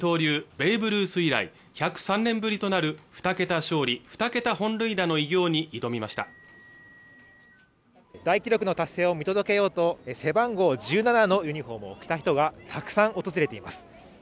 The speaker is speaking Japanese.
ベーブルース以来１０３年ぶりとなる２桁勝利２桁本塁打の偉業に挑みました大記録の達成を見届けようと背番号１７のユニホームを着た人がたくさん訪れています